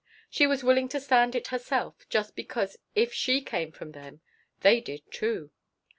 She was willing to stand it herself, just because if she came from them they did, too.